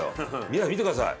見てください。